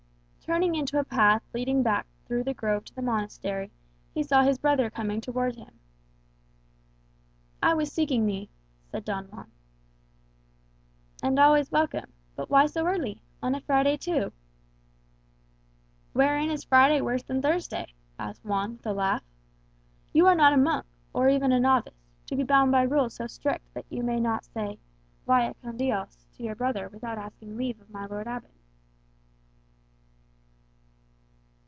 Turning into a path leading back through the grove to the monastery, he saw his brother coming towards him. "I was seeking thee," said Don Juan. "And always welcome. But why so early? On a Friday too?" "Wherein is Friday worse than Thursday?" asked Juan with a laugh. "You are not a monk, or even a novice, to be bound by rules so strict that you may not say, 'Vaya con Dios' to your brother without asking leave of my lord Abbot."